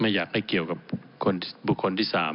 อยากให้เกี่ยวกับบุคคลที่๓